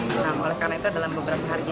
nah oleh karena itu dalam beberapa hari ini